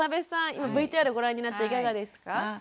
今ＶＴＲをご覧になっていかがでしたか？